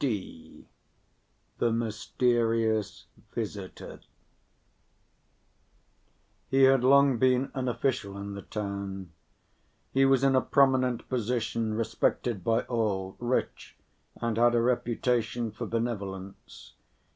(d) The Mysterious Visitor He had long been an official in the town; he was in a prominent position, respected by all, rich and had a reputation for benevolence.